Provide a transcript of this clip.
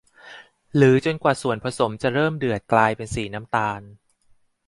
หรือจนกว่าส่วนผสมจะเริ่มเดือดกลายเป็นสีน้ำตาล